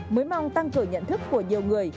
mới mong tăng cửa nhận thức của nhiều người